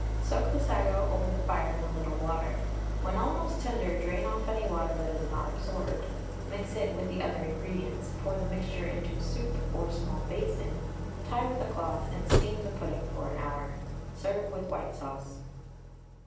Soak the sago over the fire in a little water; when almost tender drain off any water that is not absorbed, mix it with the other ingredients, pour the mixture into a soup or small basin, tie with a cloth, and steam the pudding for an hour. Serve with white sauce.